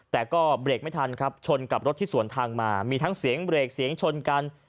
แต่ก็เบรกไม่ทันครับชนกับรถที่สวนทางมามีทั้งเสียงเบรกเสียงชนกัน